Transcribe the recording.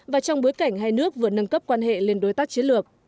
và trong bối cảnh hai nước vừa nâng cấp quan hệ lên đối tác chiến lược